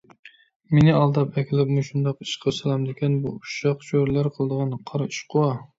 مېنى ئالداپ ئەكېلىپ مۇشۇنداق ئىشقا سالامدىكەن؟ بۇ ئۇششاق چۆرىلەر قىلىدىغان قارا ئىشقۇ!